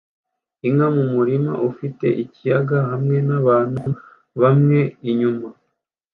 inka mu murima ufite ikiyaga hamwe nabantu bamwe inyuma